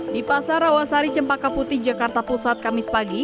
di pasar rawasari cempaka putih jakarta pusat kamis pagi